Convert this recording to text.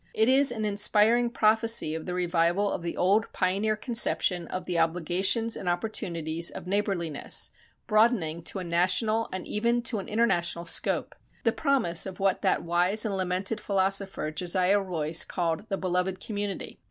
It is an inspiring prophecy of the revival of the old pioneer conception of the obligations and opportunities of neighborliness, broadening to a national and even to an international scope. The promise of what that wise and lamented philosopher, Josiah Royce called, "the beloved community."